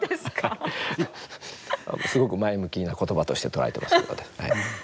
すごく前向きな言葉として捉えてますけど、私。